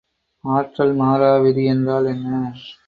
ஆற்றல் மாறா விதி என்றால் என்ன?